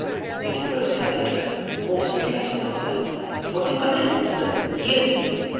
interposed Cavalletto, also addressing Arthur: 'for to commence, hear me!